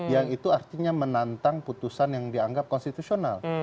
yang itu artinya menantang putusan yang dianggap konstitusional